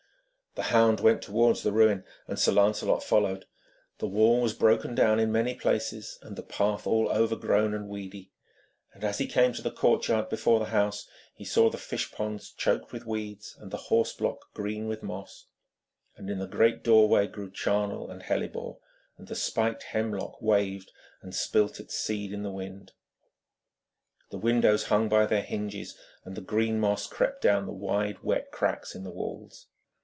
The hound went towards the ruin and Sir Lancelot followed. The wall was broken down in many places, and the path all overgrown and weedy, and as he came to the courtyard before the house, he saw the fishponds choked with weeds and the horseblock green with moss, and in the great doorway grew charnel and hellebore, and the spiked hemlock waved and spilt its seed in the wind. The windows hung by their hinges, and the green moss crept down the wide wet cracks in the walls.